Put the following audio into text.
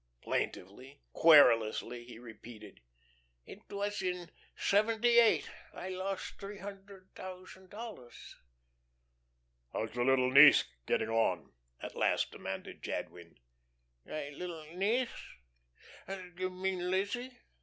Plaintively, querulously he repeated: "It was in seventy eight.... I lost three hundred thousand dollars." "How's your little niece getting on?" at last demanded Jadwin. "My little niece you mean Lizzie?